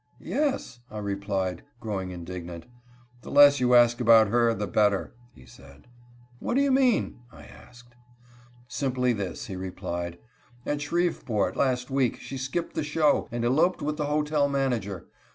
"Yes?" I replied, growing indignant. "The less you ask about her the better," he said. "What do you mean?" I asked. "Simply this," he replied, "at Shreveport, last week, she skipped the show, and eloped with the hotel manager.